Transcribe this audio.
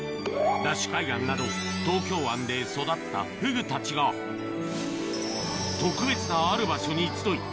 海岸など東京湾で育ったフグたちが特別なある場所に集い